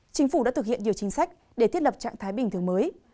chính phủ đã thực hiện nhiều chính sách để thiết lập trạng thái bình thường mới